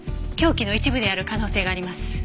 凶器の一部である可能性があります。